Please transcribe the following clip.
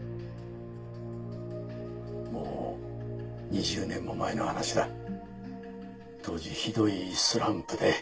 「もう２０年も前の話だ」「当時ひどいスランプで」